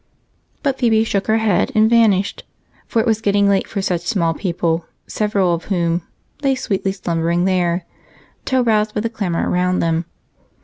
But Phebe shook her head and vanished, for it was getting late for such small people, several of whom "lay sweetly slumbering there" till roused by the clamor round them.